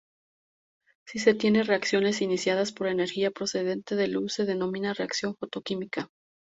Si se tienen reacciones iniciadas por energía procedente de luz, se denomina reacción fotoquímica.